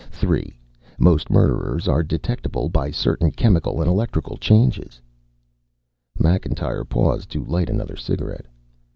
Three, most murderers are detectable by certain chemical and electrical changes." Macintyre paused to light another cigarette.